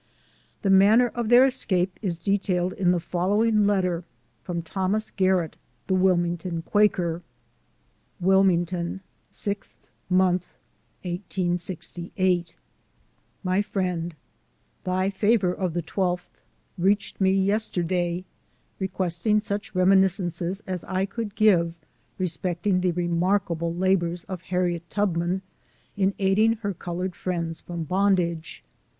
The manner of their escape is detailed in the following letter from Thomas Gar rett, the Wilmington Quaker : WILMINGTON, 6th Mo., 1868. MY FRIEND: Thy favor of the 12th reached me \ yesterday, requesting such reminiscences as I could give respecting the remarkable labors of Harriet Tubmari, in aiding her colored friends from bondage.